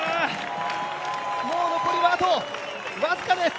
もう残りはあと僅かです！